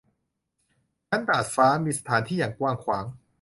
ชั้นดาดฟ้า มีสถานที่อย่างกว้างขวาง